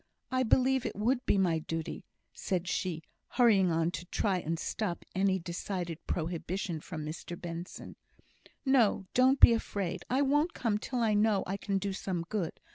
I believe it would be my duty," said she, hurrying on to try and stop any decided prohibition from Mr Benson. "No! don't be afraid; I won't come till I know I can do some good.